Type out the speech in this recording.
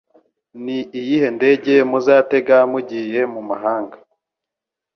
ni iyihe ndege muzatega mugiye mu mahanga